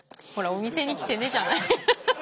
「お店に来てね」じゃない。